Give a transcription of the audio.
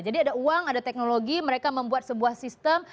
jadi ada uang ada teknologi mereka membuat sebuah sistem